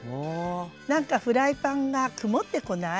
なんかフライパンが曇ってこない？